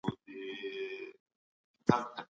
جاسوس مخکي تر دې چي راز ووايي ځان وژني.